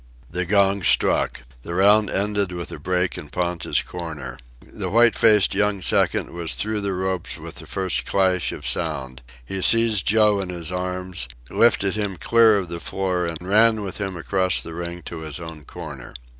The gong struck. The round ended with a break in Ponta's corner. The white faced young second was through the ropes with the first clash of sound. He seized Joe in his arms, lifted him clear of the floor, and ran with him across the ring to his own corner.